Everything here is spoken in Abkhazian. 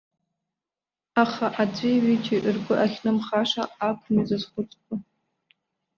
Аха аӡәи ҩыџьеи ргәы ахьнымхаша акәым изызхәыцтәу.